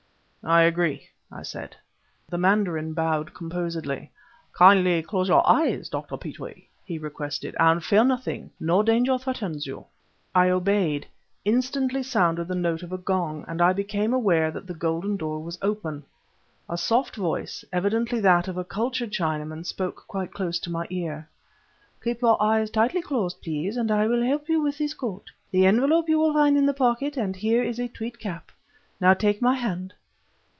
"I agree," I said. The mandarin bowed composedly. "Kindly close your eyes, Dr. Petrie," he requested, "and fear nothing. No danger threatens you." I obeyed. Instantly sounded the note of a gong, and I became aware that the golden door was open. A soft voice, evidently that of a cultured Chinaman, spoke quite close to my ear "Keep your eyes tightly closed, please, and I will help you on with this coat. The envelope you will find in the pocket and here is a tweed cap. Now take my hand."